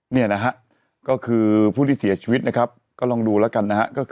เนี่ยนะฮะก็คือผู้ที่เสียชีวิตนะครับก็ลองดูแล้วกันนะฮะ